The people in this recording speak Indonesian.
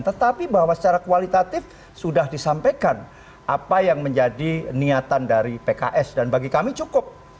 tetapi bahwa secara kualitatif sudah disampaikan apa yang menjadi niatan dari pks dan bagi kami cukup